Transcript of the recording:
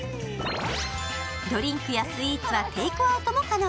ドリンクやスイーツはテイクアウトも可能。